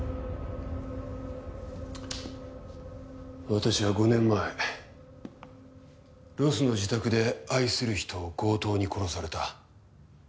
私は５年前ロスの自宅で愛する人を強盗に殺された。